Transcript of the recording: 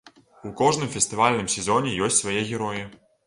У кожным фестывальным сезоне ёсць свае героі.